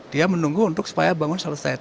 dia menunggu untuk supaya bangun selesai